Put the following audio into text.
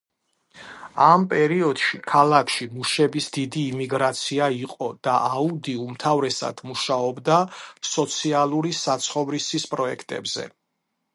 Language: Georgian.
ამ პერიოდში ქალაქში მუშების დიდი იმიგრაცია იყო და აუდი უმთავრესად მუშაობდა სოციალური საცხოვრისის პროექტებზე.